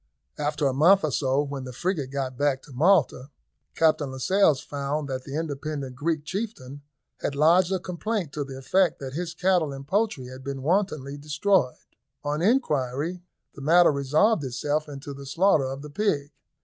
After a month or so, when the frigate got back to Malta, Captain Lascelles found that the independent Greek chieftain had lodged a complaint to the effect that his cattle and poultry had been wantonly destroyed. On inquiry, the matter resolved itself into the slaughter of the pig.